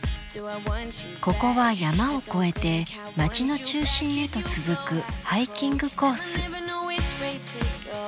ここは山を越えて街の中心へと続くハイキングコース。